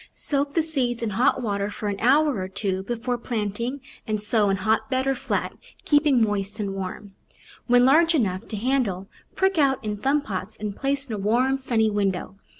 Soak the seeds in hot water for an hour or two before planting and sow in hotbed or flat, keeping moist and warm. When large enough to handle, prick out in thumb pots and place in a warm, sunny window.